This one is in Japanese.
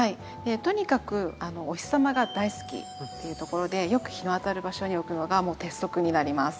とにかくお日様が大好きっていうところでよく日の当たる場所に置くのがもう鉄則になります。